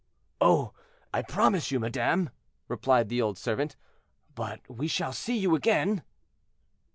"Oh! I promise you, madame," replied the old servant; "but we shall see you again?"